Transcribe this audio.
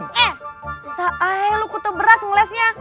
eh sa'ay lu kutu beras ngelesnya